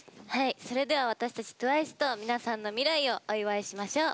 それでは私たちＴＷＩＣＥと皆さんの未来をお祝いしましょう。